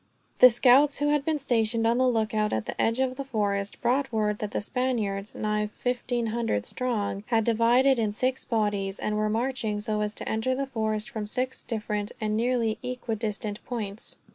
The scouts, who had been stationed on the lookout at the edge of the forest, brought word that the Spaniards, nigh 1500 strong, had divided in six bodies; and were marching so as to enter the forest from six different, and nearly equidistant, points.